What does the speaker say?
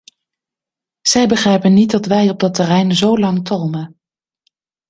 Zij begrijpen niet dat wij op dat terrein zolang talmen.